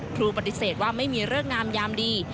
ครูปฏิเสธว่าไม่มีเลิกงามยามดี